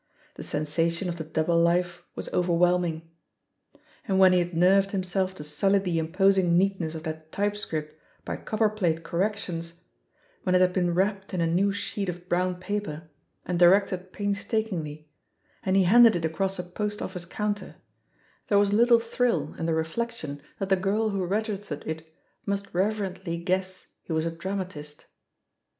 The sensation of the "double life*' was over whelming. And when he had nerved himself to sully the imposing neatness of that typescript by copper plate corrections, when it had been wrapped in a new sheet of brown paper, and directed pains* EHE POSITION OF PEGGY HARPER 99 takingly and he handed it across a post office counter^ there was a little thrill in the reflection that the girl who registered it must reverently guess he was a dramatist.